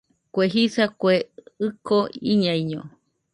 Kue jisa, Kue ɨko iñaiño